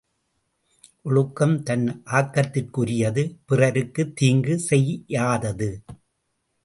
ஒழுக்கம் தன் ஆக்கத்திற்குரியது பிறருக்குத் தீங்கு செய்யாதது.